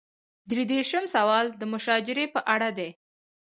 درې دېرشم سوال د مشاجرې په اړه دی.